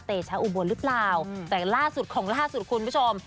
ชะอุบลหรือเปล่าแต่ล่าสุดของล่าสุดคุณผู้ชม